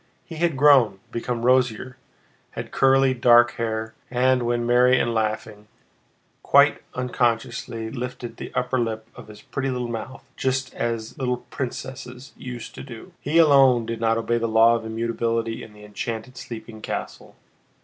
He had grown, become rosier, had curly dark hair, and, when merry and laughing, quite unconsciously lifted the upper lip of his pretty little mouth just as the little princess used to do. He alone did not obey the law of immutability in the enchanted, sleeping castle.